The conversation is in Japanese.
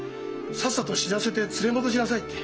さっさと知らせて連れ戻しなさい」って。